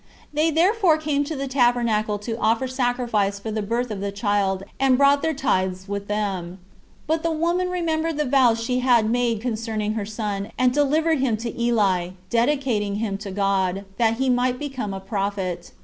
They therefore came to the tabernacle to offer sacrifice for the birth of the child, and brought their tithes with them; but the woman remembered the vows she had made concerning her son, and delivered him to Eli, dedicating him to God, that he might become a prophet.